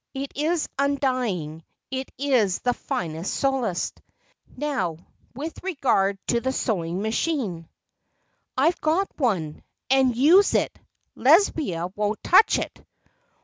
It is undying, it is the finest solace. Now, with regard to the sewing machine." "I've got one, and use it Lesbia won't touch it."